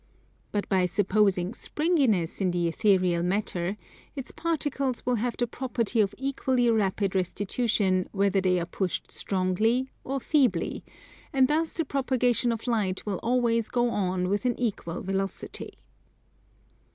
But by supposing springiness in the ethereal matter, its particles will have the property of equally rapid restitution whether they are pushed strongly or feebly; and thus the propagation of Light will always go on with an equal velocity.